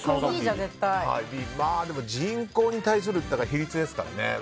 人口に対する比率ですからね。